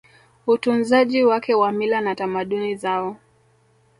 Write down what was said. utunzaji wake wa mila na tamaduni zao